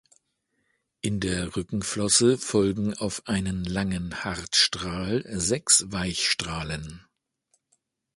In der Rückenflosse folgen auf einen langen Hartstrahl sechs Weichstrahlen.